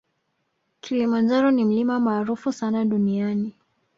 Kilimanjaro ni mlima maarufu sana duniani